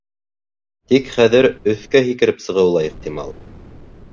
Тик хәҙер өҫкә һикереп сығыуы ла ихтимал.